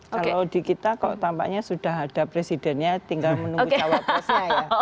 kalau di kita kalau tampaknya sudah ada presidennya tinggal menunggu cawapresnya ya